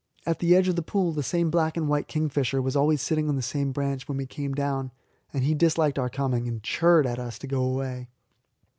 At the edge of the pool the same black and white kingfisher was always sitting on the same branch when we came down, and he disliked our coming, and chirred at us to go away.